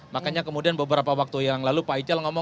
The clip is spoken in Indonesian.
makanya kemudian beberapa waktu yang lalu pak ical ngomong